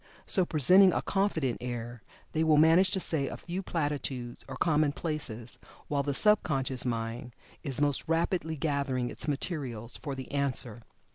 So, presenting a confident air, they will manage to say a few platitudes or commonplaces, while the sub conscious mind is most rapidly gathering its materials for the answer.